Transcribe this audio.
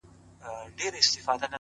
بریا تصادف نه بلکې انتخاب دی